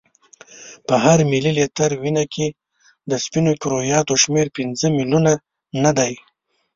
په هر ملي لیتر وینه کې د سپینو کرویاتو شمیر پنځه میلیونه نه دی.